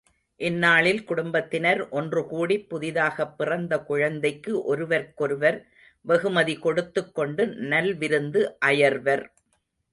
இந்நாளில் குடும்பத்தினர் ஒன்றுகூடிப் புதிதாகப் பிறந்த குழந்தைகளுக்கு ஒருவர்க்கொருவர் வெகுமதி கொடுத்துக் கொண்டு நல்விருந்து அயர்வர்.